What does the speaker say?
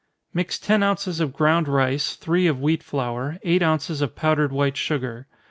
_ Mix ten ounces of ground rice, three of wheat flour, eight ounces of powdered white sugar.